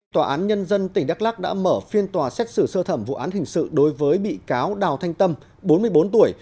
tòa án nhân dân tỉnh đắk lắc đã mở phiên tòa xét xử sơ thẩm vụ án hình sự đối với bị cáo đào thanh tâm bốn mươi bốn tuổi